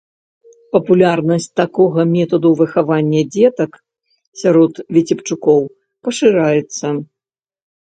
Папулярнасць такога метаду выхавання дзетак сярод віцебчукоў пашыраецца.